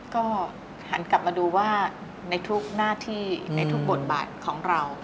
ก็หันกลับมาดูว่าในทุกหน้าที่ในทุกบทบาทของเรา